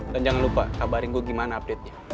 dan jangan lupa kabarin gue gimana update nya